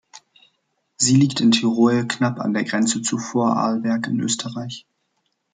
Sie liegt in Tirol knapp an der Grenze zu Vorarlberg in Österreich.